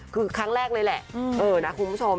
คือครั้งแรกเลยแหละเออนะคุณผู้ชม